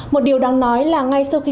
một điều đáng nói là ngay sau khi